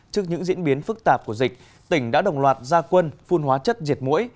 trước những diễn biến phức tạp của dịch tỉnh đã đồng loạt gia quân phun hóa chất diệt mũi